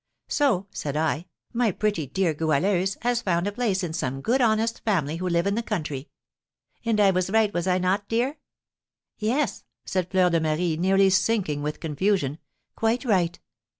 So,' said I, 'my pretty, dear Goualeuse has found a place in some good honest family who live in the country.' And I was right, was I not, dear?" "Yes," said Fleur de Marie, nearly sinking with confusion, "quite right."